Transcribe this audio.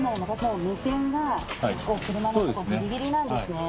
目線が車の所ギリギリなんですね。